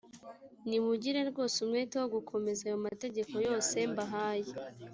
nimugire rwose umwete wo gukomeza ayo mategeko yose mbahaye